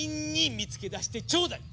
見つけ出してちょうだい！